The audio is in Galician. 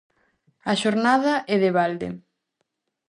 A xornada é de balde.